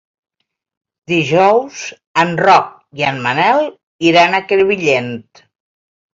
Dijous en Roc i en Manel iran a Crevillent.